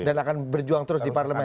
dan akan berjuang terus di parlemen